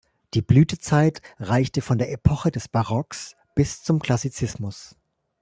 Die Blütezeit reichte von der Epoche des Barocks bis zum Klassizismus.